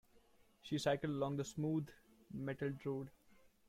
She cycled along the smooth, metalled road